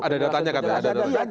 ada datanya kan